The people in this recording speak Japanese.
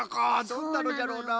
どんなのじゃろうな？